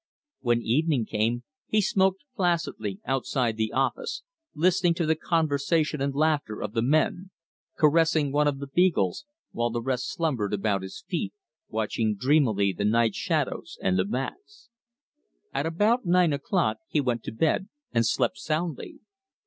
When evening came he smoked placidly outside the office, listening to the conversation and laughter of the men, caressing one of the beagles, while the rest slumbered about his feet, watching dreamily the night shadows and the bats. At about nine o'clock he went to bed, and slept soundly.